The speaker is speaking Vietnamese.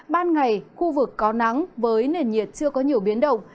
ban ngày khu vực có nắng với nền nhiệt chưa có nhiều biến động